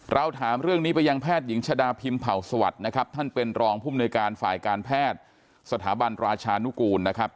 เราถามเรื่องนี้ไปยังแพทย์หญิงชะดาพิมพ์เผ่าสวัสดิ์นะครับท่านเป็นรองภูมิในการฝ่ายการแพทย์สถาบันราชานุกูลนะครับ